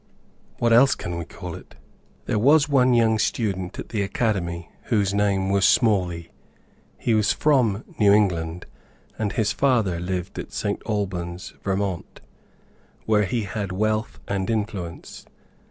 What else can we call it? There was one young student at the academy whose name was Smalley. He was from New England, and his father lived at St. Albans, Vt., where he had wealth and influence.